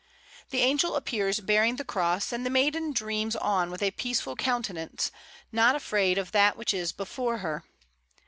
The angel appears bearing the cross, and the maiden dreams on with a peaceful countenance, not afraid of that which is before her.